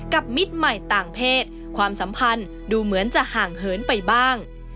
มิตรใหม่ต่างเพศความสัมพันธ์ดูเหมือนจะห่างเหินไปบ้าง